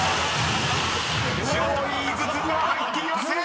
［上位５つには入っていません］